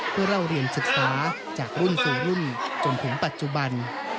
เพื่อเล่าเรียนศึกษาจากรุ่นสู่รุ่นจนถึงปัจจุบัน